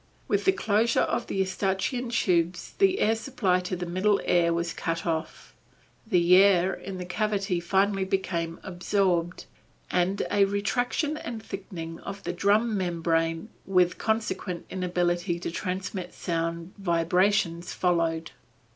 With the closure of the Eustachian tubes the air supply to the middle ear was cut off; the air in the cavity finally became absorbed, and a retraction and thickening of the drum membrane with consequent inability to transmit sound vibrations followed.